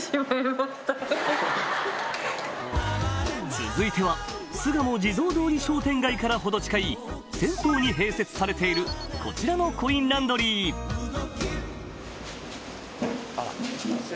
続いては巣鴨地蔵通り商店街から程近い銭湯に併設されているこちらのコインランドリー今。